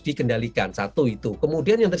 dikendalikan satu itu kemudian yang